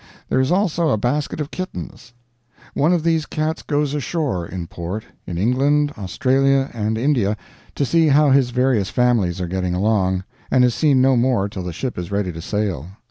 There is also a basket of kittens. One of these cats goes ashore, in port, in England, Australia, and India, to see how his various families are getting along, and is seen no more till the ship is ready to sail.